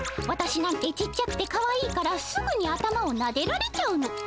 「わたしなんてちっちゃくてかわいいからすぐに頭をなでられちゃうの。